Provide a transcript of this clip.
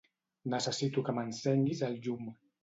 Necessito que m'encenguis el llum.